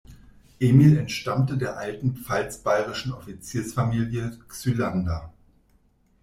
Emil entstammte der alten pfalz-bayerischen Offiziersfamilie Xylander.